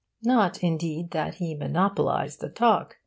Not, indeed, that he monopolised the talk.